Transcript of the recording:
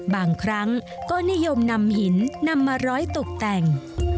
บางครั้งก็นิยมนำหินนำมาร้อยตกแต่ง